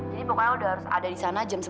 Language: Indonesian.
jadi pokoknya udah harus ada disana jam sebelas ya